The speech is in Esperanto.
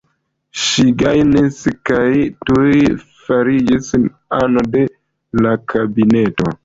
Ŝi gajnis kaj tuj fariĝis ano de la kabineto.